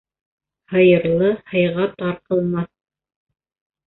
Һыйырлы һыйға тарҡылмаҫ.